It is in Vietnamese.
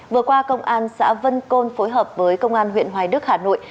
vừa qua công an xã vân côn phối hợp với công an huyện hoài đức hà nội